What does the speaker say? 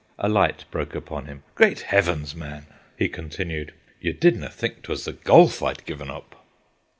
A light broke upon him. "Great Heavens, man!" he continued, "ye didna' think 'twas the golf I'd gi'en oop?"